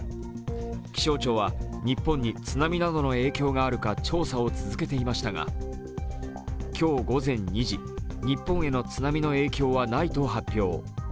気象庁は、日本に津波などの影響があるか調査を続けていましたが今日午前２時、日本への津波の影響はないと発表。